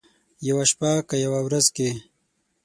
یوه شپه که یوه ورځ کې،